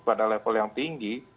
pada level yang tinggi